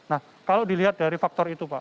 nah kalau dilihat dari faktor itu pak